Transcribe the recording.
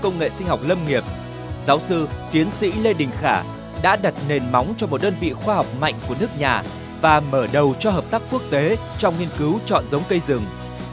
trong sự kiên trì trong học tập nghiên cứu cùng nhiều năm kinh nghiệm thực tiễn giáo sư tiến sĩ lê đình khả đã đạt được những thành công đáng ghi nhận trong sự nghiệp chọn tạo và nhân giống cây rừng